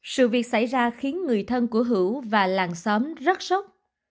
sự việc xảy ra khiến người thân của hữu và làng xóm rất sốc